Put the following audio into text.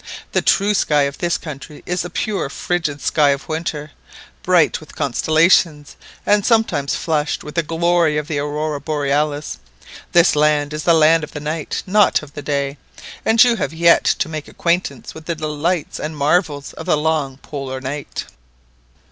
The true sky of this country is the pure frigid sky of winter, bright with constellations, and sometimes flushed with the glory of the Aurora Borealis. This land is the land of the night, not of the day; and you have yet to make acquaintance with the delights and marvels of the long Polar night."